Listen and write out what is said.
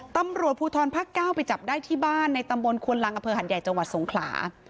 ตำรวจภูทรภาค๙ไปจับได้ที่บ้านในตำบลควนลังอำเภอหัดใหญ่จังหวัดสงขลา